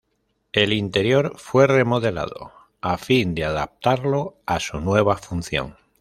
El interior fue remodelado, a fin de adaptarlo a su nueva función.